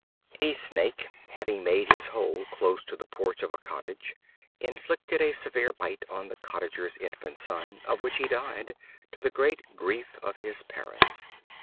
A Snake, having made his hole close to the porch of a cottage, inflicted a severe bite on the Cottager's infant son, of which he died, to the great grief of his parents.